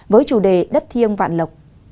với chủ đề đất thiêng vạn lộc